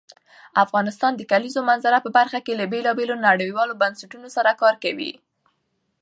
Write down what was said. افغانستان د کلیزو منظره په برخه کې له بېلابېلو نړیوالو بنسټونو سره کار کوي.